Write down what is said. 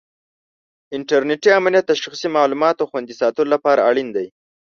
انټرنېټي امنیت د شخصي معلوماتو خوندي ساتلو لپاره اړین دی.